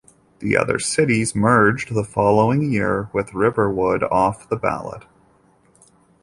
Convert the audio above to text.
The other cities merged the following year with Riverwood off the ballot.